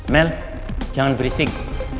mel jangan berisik